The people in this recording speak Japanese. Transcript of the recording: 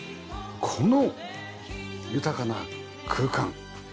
この豊かな空間。